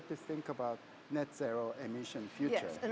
tapi kita juga harus memikirkan masa depan emisi net